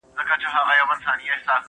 • بېګا خوب وینمه تاج پر سر پاچا یم,